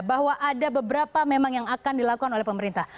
bahwa ada beberapa memang yang akan dilakukan oleh pemerintah